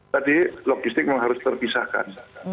tadi logistik memang harus terpisahkan